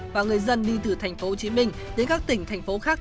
và người dân đi từ tp hcm đến các tỉnh thành phố khác